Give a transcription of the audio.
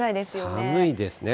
寒いですね。